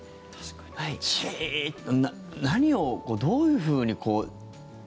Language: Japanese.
何をどういうふうに。